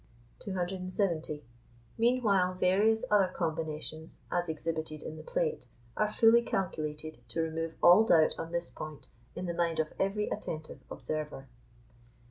270. Meanwhile various other combinations, as exhibited in the plate, are fully calculated to remove all doubt on this point in the mind of every attentive observer.